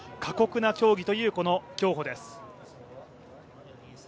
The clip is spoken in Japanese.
まさに過酷な競技というこの競歩です。